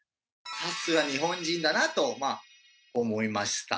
さすが日本人だなと思いました。